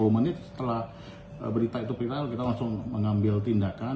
sepuluh menit setelah berita itu viral kita langsung mengambil tindakan